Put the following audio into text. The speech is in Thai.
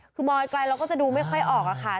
คือมองไกลเราก็จะดูไม่ค่อยออกอะค่ะ